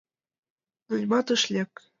Но нимат ыш лек...